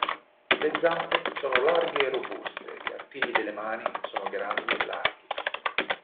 Le zampe sono larghe e robuste, gli artigli delle mani sono grandi e larghi.